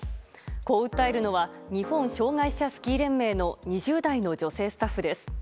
こう訴えるのは日本障害者スキー連盟の２０代の女性スタッフです。